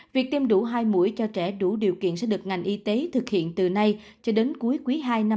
việc tiêm đủ hai mũi cho trẻ đủ điều kiện sẽ được ngành y tế thực hiện từ nay cho đến cuối quý ii năm hai nghìn hai mươi